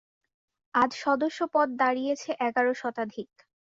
আজ সদস্য পদ দাঁড়িয়েছে এগারো শতাধিক।